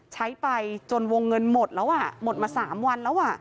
ใช้ไปจนวงเงินหมดแล้วอ่ะหมดมา๓วันแล้ว